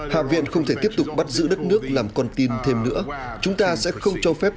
hạ viện không thể tiếp tục bắt giữ đất nước làm con tin thêm nữa chúng ta sẽ không cho phép